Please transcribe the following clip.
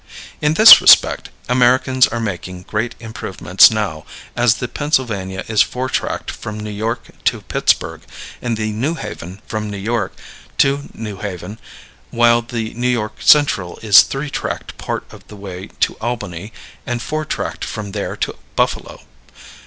In this respect Americans are making great improvements now, as the Pennsylvania is four tracked from New York to Pittsburgh, and the New Haven from New York to New Haven, while the New York Central is three tracked part of the way to Albany, and four tracked from there to Buffalo.